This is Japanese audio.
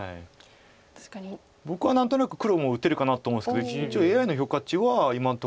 僕は何となく黒も打てるかなと思うんですけど一応ＡＩの評価値は今のとこ。